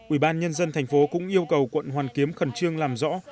ủy ban nhân dân thành phố cũng yêu cầu quận hoàn kiếm khẩn trương làm rõ